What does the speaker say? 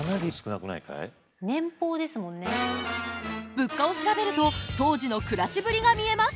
物価を調べると当時の暮らしぶりが見えます。